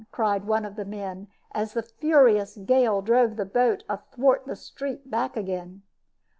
cried one of the men, as the furious gale drove the boat, athwart the street, back again.